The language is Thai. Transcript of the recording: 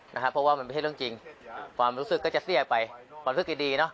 เพราะว่ามันไม่ใช่เรื่องจริงความรู้สึกก็จะเสียไปความรู้สึกดีเนอะ